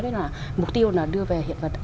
đấy là mục tiêu là đưa về hiện vật